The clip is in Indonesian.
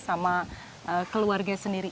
sama keluarga sendiri